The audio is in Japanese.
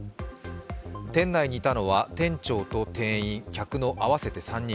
店内にいたのは店長と店員、客の合わせて３人。